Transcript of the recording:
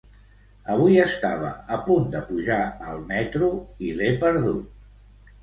Avui estava a punt de pujar al metro i l'he perdut.